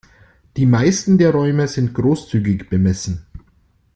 Die meisten der Räume sind großzügig bemessen.